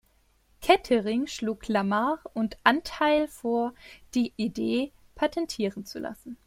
Kettering schlug Lamarr und Antheil vor, die Idee patentieren zu lassen.